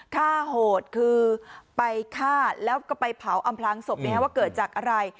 ฆ่าโหดคือไปฆ่าแล้วก็ไปเผาอำพลางศพว่าเกิดจากอะไร